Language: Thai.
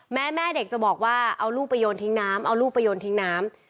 แม่แม่เด็กจะบอกว่าเอาลูกไปโยนทิ้งน้ำเอาลูกไปโยนทิ้งน้ำ